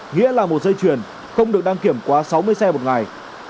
nghĩa là một dây chuyển không được đăng kiểm quá sáu mươi xe một ngày